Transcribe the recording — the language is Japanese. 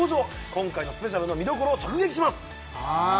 今回のスペシャルの見どころを直撃します